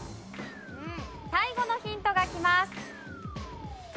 最後のヒントがきます。